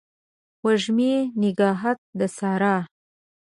وږمې نګهت د سارا